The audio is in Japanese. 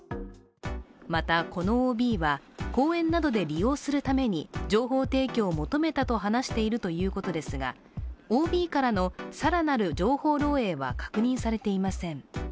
また、このＯＢは講演などで利用するために情報提供を求めたと話しているということですが、ＯＢからの更なる情報漏えいは確認されていません。